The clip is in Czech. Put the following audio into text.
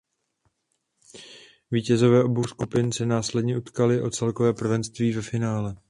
Vítězové obou skupin se následně utkali o celkové prvenství ve finále.